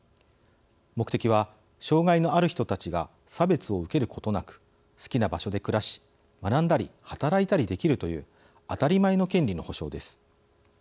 目的は、障害のある人たちが差別を受けることなく好きな場所で暮らし学んだり働いたりできるという当たり前の権利の保障です。